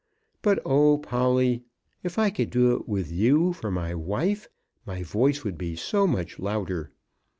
But, oh Polly, if I could do it with you for my wife, my voice would be so much louder.